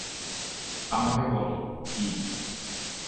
আমাকে বল কি?